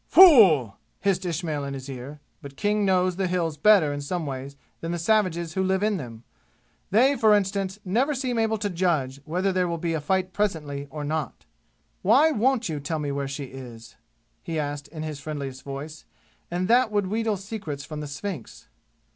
"Fool!" hissed Ismail in his ear; but King knows the "Hills" better in some ways than the savages who live in them; they, for instance, never seem able to judge whether there will be a fight presently or not. "Why won't you tell me where she is?" he asked in his friendliest voice, and that would wheedle secrets from the Sphynx.